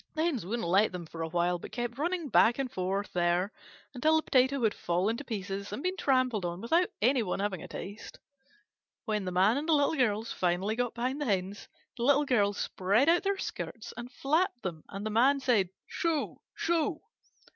The Hens would not let them for a while, but kept running back and forth there, until the potato had fallen to pieces and been trampled on without any one having a taste. When the Man and the Little Girls finally got behind the Hens, the Little Girls spread out their skirts and flapped them and the Man said, "Shoo! Shoo!"